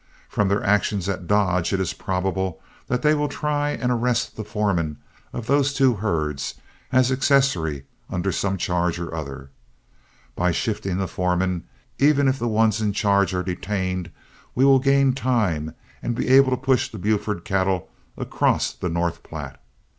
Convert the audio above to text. From their actions at Dodge, it is probable that they will try and arrest the foreman of those two herds as accessory under some charge or other. By shifting the foremen, even if the ones in charge are detained, we will gain time and be able to push the Buford cattle across the North Platte.